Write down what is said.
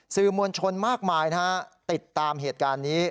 สื่อมวลชนมากมายนะฮะติดตามเหตุการณ์นี้